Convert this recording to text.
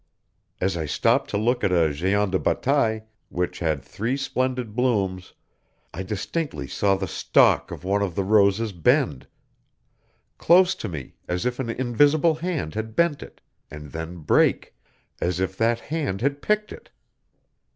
As I stopped to look at a Géant de Bataille, which had three splendid blooms, I distinctly saw the stalk of one of the roses bend, close to me, as if an invisible hand had bent it, and then break, as if that hand had picked it!